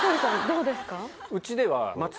どうですか？